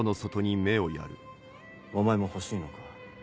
お前も欲しいのか？